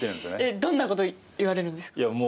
どんなことを言われるんですか。